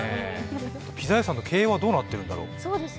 ピザ屋さんの経営はどうなってるんだろう。